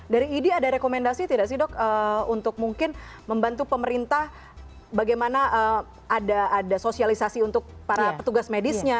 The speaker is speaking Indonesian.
dari idi ada rekomendasi tidak sih dok untuk mungkin membantu pemerintah bagaimana ada sosialisasi untuk para petugas medisnya